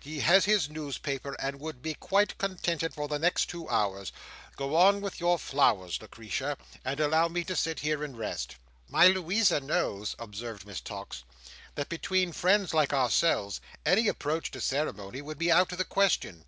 He has his newspaper, and would be quite contented for the next two hours. Go on with your flowers, Lucretia, and allow me to sit here and rest." "My Louisa knows," observed Miss Tox, "that between friends like ourselves, any approach to ceremony would be out of the question.